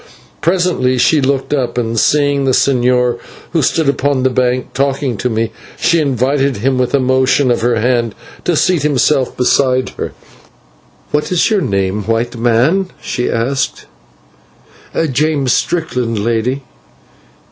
Presently she looked up, and, seeing the señor, who stood upon a bank talking to me, she invited him with a motion of her hand to seat himself beside her. "What is your name, white man?" she asked. "James Strickland, lady."